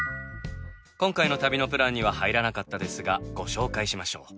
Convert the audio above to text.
今回の旅のプランには入らなかったですがご紹介しましょう。